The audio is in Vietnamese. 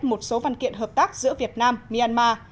một số văn kiện hợp tác giữa việt nam myanmar